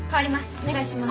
お願いします。